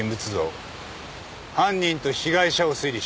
犯人と被害者を推理しろ。